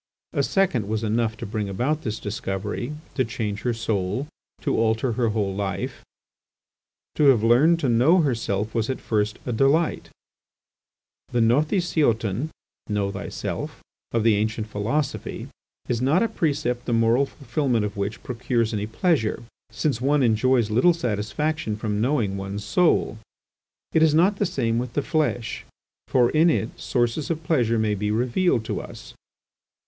A second was enough to bring about this discovery, to change her soul, to alter her whole life. To have learned to know herself was at first a delight. The γυῶθί σεαυτὸν of the ancient philosophy is not a precept the moral fulfilment of which procures any pleasure, since one enjoys little satisfaction from knowing one's soul. It is not the same with the flesh, for in it sources of pleasure may be revealed to us.